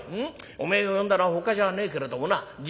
おめえを呼んだのはほかじゃねえけれどもな実はな」。